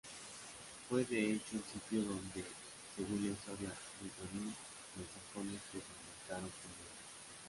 Fue de hecho el sitio donde, según la Historia Brittonum, los sajones desembarcaron primero.